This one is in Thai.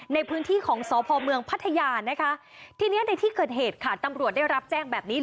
ในพื้นที่ของสพเมืองพัทยานะคะทีนี้ในที่เกิดเหตุค่ะตำรวจได้รับแจ้งแบบนี้